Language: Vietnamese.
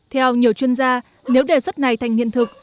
theo nhiều chuyên gia nếu đề xuất này thành hiện thực